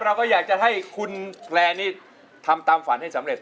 เราก็อยากจะให้คุณแพร่นี่ทำตามฝันให้สำเร็จ